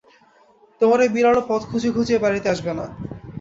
তোমার ঐ বিড়ালও পথ খুঁজে খুঁজে এ-বাড়িতে আসবে না।